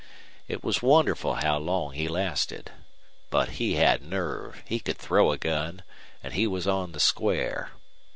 It was wonderful how long he lasted. But he had nerve, he could throw a gun, and he was on the square.